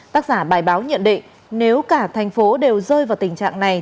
tác giả bài báo nhận định nếu cả thành phố đều rơi vào tình trạng này